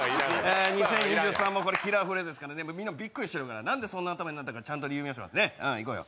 ２０２３もこれ、キラーフレーズですからね、みんなもびっくりしてるからなんでそんな頭になったか、ちゃんと理由言おう、いこうよ。